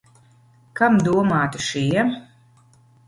Kam domāti šie?